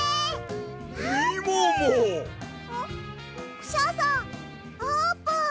クシャさんあーぷん！